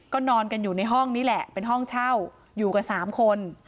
ก็นอนกันอยู่ในห้องนี้แหละเป็นห้องเช่าอยู่กัน๓คน